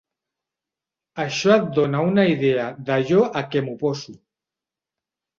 Això et dona una idea d'allò a què m'oposo.